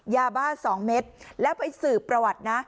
ยาบ้า๒เม็ดแล้วไปสืบประวัตินะ